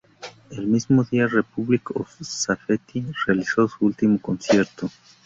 Ese mismo día, Republic of Safety realizó su último concierto.